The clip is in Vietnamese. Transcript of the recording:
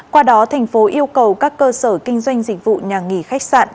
qua đó thành phố yêu cầu các cơ sở kinh doanh dịch vụ nhà nghỉ khách sạn